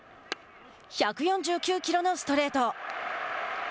１４９キロのストレート。